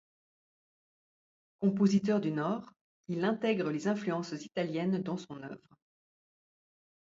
Compositeur du Nord, il intègre les influences italiennes dans son œuvre.